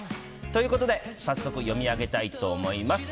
ということで、早速読み上げたいと思います。